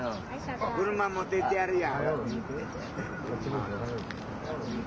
車持ってってやりいや。